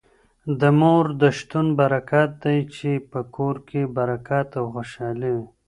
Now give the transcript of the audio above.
د مور د شتون برکت دی چي په کور کي برکت او خوشالي وي.